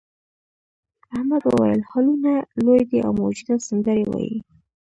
احمد وویل هالونه لوی دي او موجودات سندرې وايي.